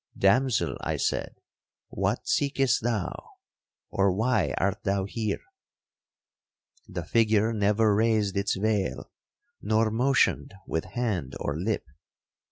'Damsel,' I said, 'what seekest thou?—or why art thou here?' The figure never raised its veil, nor motioned with hand or lip.